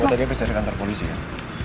oh tadi habis dari kantor polisi kan